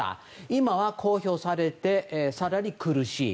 今は公表されて、更に苦しい。